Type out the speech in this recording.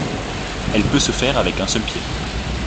Elle peut se faire avec un seul pied.